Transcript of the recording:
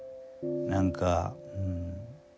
何かうん。